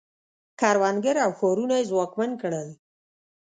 کروندګر او ښارونه یې ځواکمن کړل